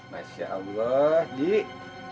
masya allah dik